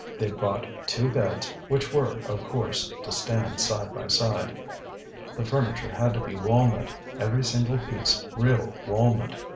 They bought two beds, which were, of course, to stand side by side. The furniture had to be walnut, every single piece real walnut.